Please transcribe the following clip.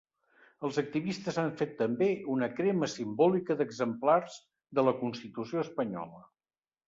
Els activistes han fet també una crema simbòlica d’exemplars de la constitució espanyola.